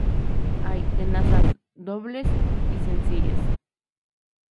Hay tenazas "dobles" y "sencillas".